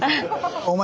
「お前